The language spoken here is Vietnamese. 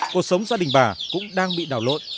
cuộc sống gia đình bà cũng đang bị đảo lộn